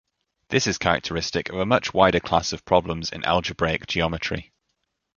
This is characteristic of a much wider class of problems in algebraic geometry.